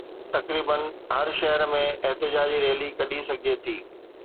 تقريبن هر شهر ۾ احتجاجي ريلي ڪڍي سگهجي ٿي